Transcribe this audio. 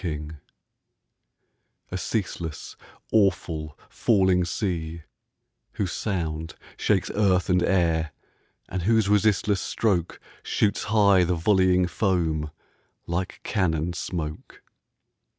NIAGARA A ceaseless, awful, falling sea, whose sound Shakes earth and air, and whose resistless stroke Shoots high the volleying foam like cannon smoke!